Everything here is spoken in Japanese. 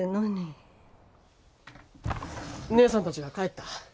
義姉さんたちが帰った。